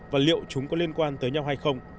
và liệu chúng có liên quan tới nhau hay không